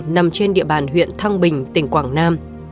nằm trên địa bàn huyện thăng bình tỉnh quảng nam